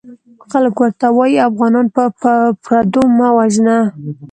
خلک ورته وايي افغانان په پردو مه وژنه!